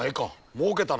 もうけたな。